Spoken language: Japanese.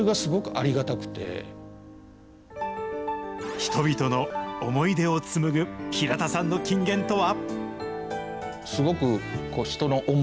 人々の思い出を紡ぐ平田さんの金言とは？